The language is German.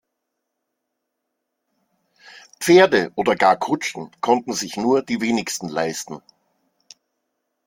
Pferde oder gar Kutschen konnten sich nur die wenigsten leisten.